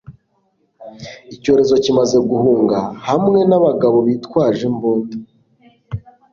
Icyorezo kimaze guhunga hamwe n'abagabo bitwaje imbunda